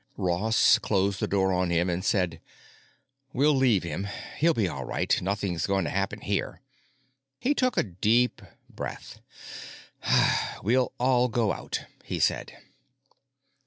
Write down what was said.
Ross closed the door on him and said, "We'll leave him. He'll be all right; nothing's going to happen here." He took a deep breath. "We'll all go out," he said.